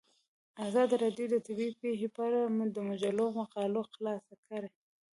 ازادي راډیو د طبیعي پېښې په اړه د مجلو مقالو خلاصه کړې.